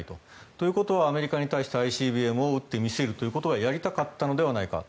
ということはアメリカに対してＩＣＢＭを撃って見せるということをやりたかったのではないか。